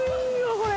これ。